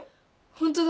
ホントだ。